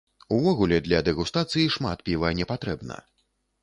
Увогуле, для дэгустацыі шмат піва не патрэбна.